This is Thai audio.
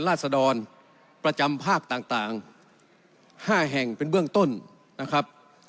ราศดรประจำภาคต่าง๕แห่งเป็นเบื้องต้นนะครับ